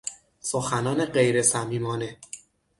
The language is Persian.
سخنان غیرصمیمانه